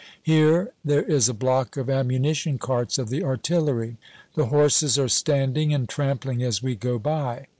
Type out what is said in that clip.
Here, there is a block of ammunition carts of the artillery. The horses are standing and trampling as we go by.